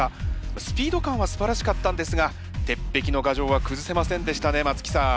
スピード感はすばらしかったんですが鉄壁の牙城は崩せませんでしたね松木さん。